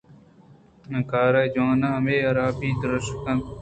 ءُ کارے ءِ جْواناھی ءُ ھرابی ءَ درشان کن اَنت